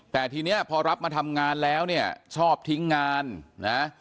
แต่ทีนี้พอรับมาทำงานแล้วเนี่ยชอบทิ้งงานนะ